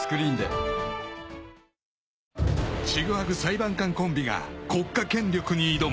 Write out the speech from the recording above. ［ちぐはぐ裁判官コンビが国家権力に挑む］